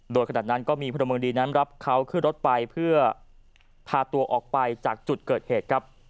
โดยขณะนั้นก็มีพลเมืองดีนั้นรับเขาขึ้นรถไปเพื่อพาตัวออกไปจากจุดเกิดเหตุครับ